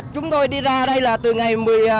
chúng tôi đi ra đây là từ ngày một mươi hai